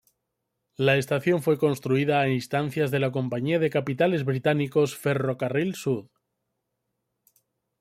La estación fue construida a instancias de la compañía de capitales británicos Ferrocarril Sud.